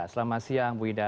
selamat siang ibu ida